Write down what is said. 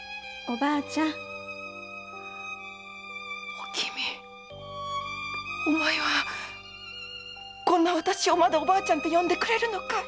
おきみこんなわたしをまだおばあちゃんと呼んでくれるのか？